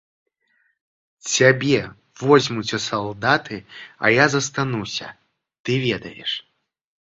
Цябе возьмуць у салдаты, а я застануся, ты ведаеш.